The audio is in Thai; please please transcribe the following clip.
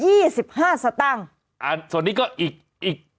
สิบห้าสตางค์อ่าส่วนนี้ก็อีกอีก